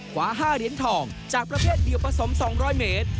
ขวา๕เหรียญทองจากประเภทเดียวผสม๒๐๐เมตร